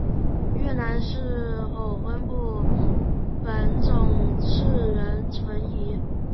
越南是否分布本种亦仍存疑。